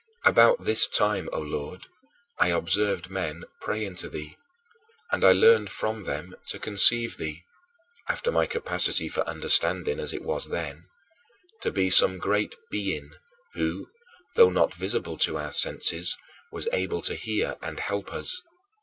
About this time, O Lord, I observed men praying to thee, and I learned from them to conceive thee after my capacity for understanding as it was then to be some great Being, who, though not visible to our senses, was able to hear and help us.